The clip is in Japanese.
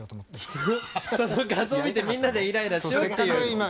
早速画像見てみんなでイライラしようっていう。